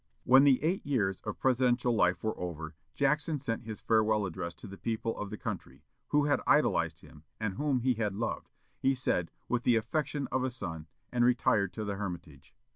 When the eight years of presidential life were over, Jackson sent his farewell address to the people of the country, who had idolized him, and whom he had loved, he said, "with the affection of a son," and retired to the Hermitage.